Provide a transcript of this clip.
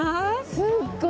すっごい！